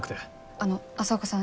あの朝岡さん